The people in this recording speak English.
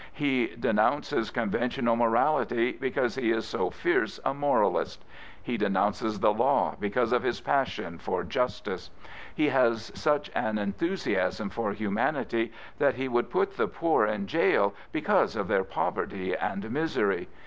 He denounces con ventional morality because he is so fierce a moralist. He denounces the law because of his passion for justice. He has such an enthusiasm for humanity that he would put the poor in gaol because of their poverty and misery.